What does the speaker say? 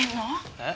えっ？